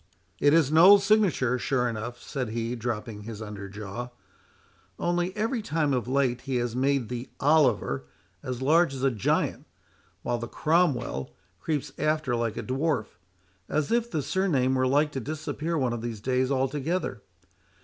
—"It is Noll's signature sure enough," said he, dropping his under jaw; "only, every time of late he has made the Oliver as large as a giant, while the Cromwell creeps after like a dwarf, as if the surname were like to disappear one of these days altogether.